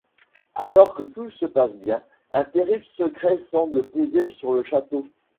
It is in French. Alors que tout se passe bien, un terrible secret semble peser sur le château...